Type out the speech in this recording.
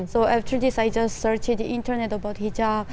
setelah itu saya mencari di internet tentang hijab